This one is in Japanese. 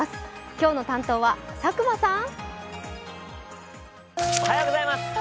今日の担当は佐久間さん！